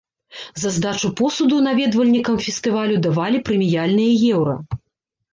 За здачу посуду наведвальнікам фестывалю давалі прэміяльныя еўра.